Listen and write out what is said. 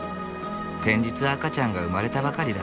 先日赤ちゃんが生まれたばかりだ。